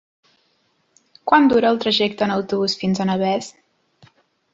Quant dura el trajecte en autobús fins a Navès?